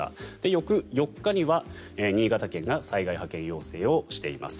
翌４日には新潟県が災害派遣要請をしています。